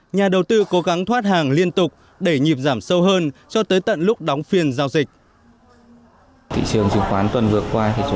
nhà đầu tư cố gắng thoát hàng liên tục để nhịp giảm sâu hơn cho tới tận lúc đóng phiên giao dịch